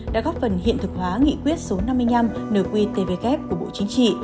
đã góp phần hiện thực hóa nghị quyết số năm mươi năm nqtvk của bộ chính trị